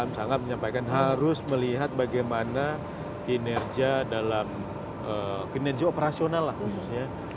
kami sangat menyampaikan harus melihat bagaimana kinerja dalam kinerja operasional lah khususnya